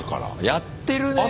やってるね！